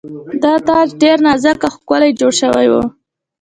دا تاج ډیر نازک او ښکلی جوړ شوی و